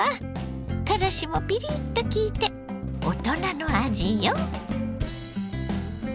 からしもピリッと効いて大人の味よ。